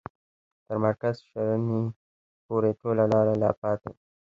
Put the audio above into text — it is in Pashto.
تر مرکز شرنې پوري ټوله لار لا پاته ده.